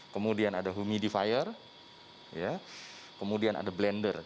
kemudian ada humidifier kemudian ada blender